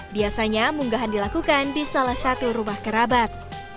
biasanya munggahan dilakukan di salah satu rumah kerabat